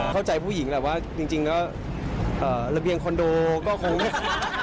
เข้าใจผู้หญิงแหละว่าจริงแล้วระเบียงคอนโดก็คงไม่